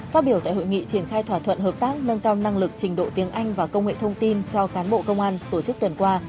phát biểu tại hội nghị triển khai thỏa thuận hợp tác nâng cao năng lực trình độ tiếng anh và công nghệ thông tin cho cán bộ công an tổ chức tuần qua